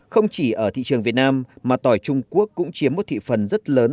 không chỉ ở thị trường việt nam mà tỏi trung quốc cũng chiếm một thị phần rất lớn